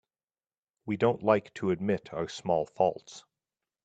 We don't like to admit our small faults.